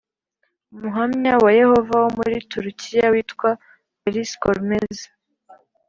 Umuhamya wa Yehova wo muri Turukiya witwa Baris Gormez